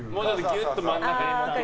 ギュッと真ん中に。